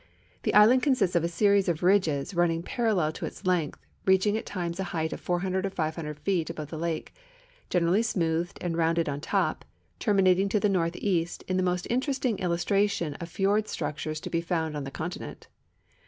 The island consists of a series of ridges running parallel to its length, reaching at times a height of 400 or 500 feet above the lake, generally smoothed and rounded on top, terminating to the northeast in the most interesting illustration of fiord structures to be found on the continent.